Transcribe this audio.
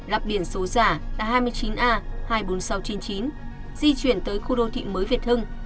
lập biển số giả là hai mươi chín a hai mươi bốn nghìn sáu trăm chín mươi chín di chuyển tới khu đô thị mới việt hưng